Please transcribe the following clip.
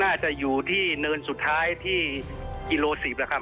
น่าจะอยู่ที่เนินสุดท้ายที่กิโล๑๐แล้วครับ